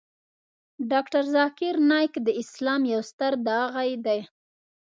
ډاکتر ذاکر نایک د اسلام یو ستر داعی دی .